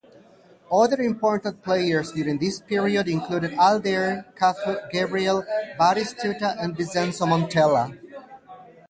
Other important players during this period included Aldair, Cafu, Gabriel Batistuta, and Vincenzo Montella.